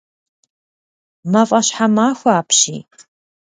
Мафӏэщхьэмахуэ апщий!